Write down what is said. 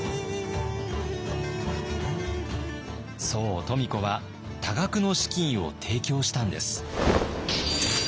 そう富子は多額の資金を提供したんです。